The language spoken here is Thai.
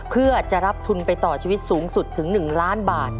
เพื่อจะรับทุนไปต่อชีวิตสูงสุดถึง๑ล้านบาท